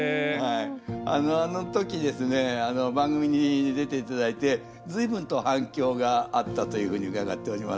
あの時ですねあの番組に出て頂いて随分と反響があったというふうに伺っておりますが。